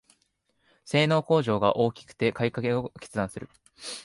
性能向上が大きくて買いかえを決断する